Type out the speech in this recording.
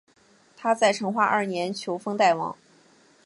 他在成化二年袭封代王。